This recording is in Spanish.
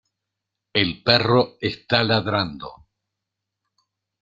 El perro está ladrando.